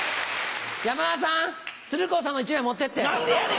山田さん鶴光さんの１枚持ってって。